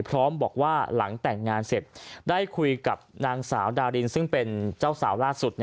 พร้อมบอกว่าหลังแต่งงานเสร็จได้คุยกับนางสาวดารินซึ่งเป็นเจ้าสาวล่าสุด